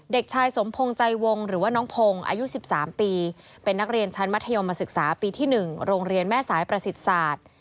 เด็กชายสมพงศ์ใจวงหรือว่าน้องพงศ์อายุ๑๓ปีเป็นนักเรียนชั้นมัธยมศึกษาปีที่๑โรงเรียนแม่สายประสิทธิ์ศาสตร์